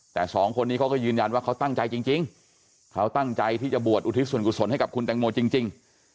แต่สองคนนี้เขาก็ยืนยันว่าเขาตั้งใจจริงเขาตั้งใจที่จะบวชอุทิศส่วนกุศลให้กับคุณแตงโมจริง